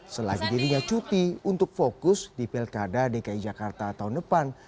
selagi dirinya cuti untuk fokus di pilkada dki jakarta tahun depan